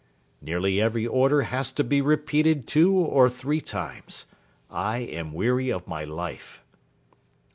'Nearly every order has to be repeated two or three times. I am weary of my life.'